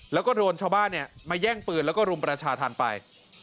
แล้วก็โดนชาวบ้านมาแย่งปืนแล้วก็รุมประชาธรรมไป